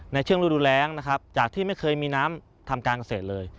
ในช่วงฤดูแรงนะครับจากที่ไม่เคยมีน้ำทำการเกษตรเลย